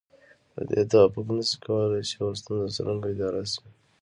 په دې توافق نشي کولای چې يوه ستونزه څرنګه اداره شي.